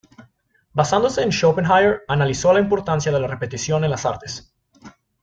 Basándose en Schopenhauer, analizó la importancia de la repetición en las artes.